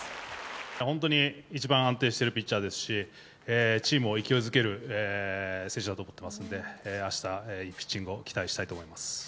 本当に一番安定しているピッチャーですし、チームを勢いづける選手だと思っていますんで、あした、いいピッチングを期待したいと思います。